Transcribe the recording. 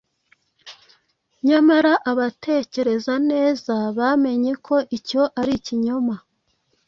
nyamara abatekereza neza bamenye ko icyo ari ikinyoma;